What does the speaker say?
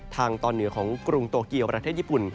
ทางตอนเหนือของกรุงโตเกียวประเทศญี่ปุ่น